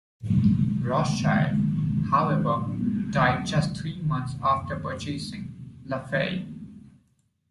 Rothschild, however, died just three months after purchasing Lafite.